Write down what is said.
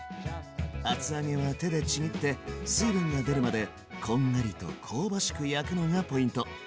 厚揚げは手でちぎって水分が出るまでこんがりと香ばしく焼くのがポイント。